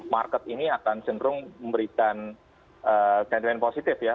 market ini akan cenderung memberikan sentilan positif ya